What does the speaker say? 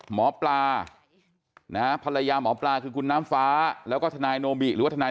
หมอปลานะฮะภรรยาหมอปลาคือคุณน้ำฟ้าแล้วก็ทนายโนบิหรือว่าทนาย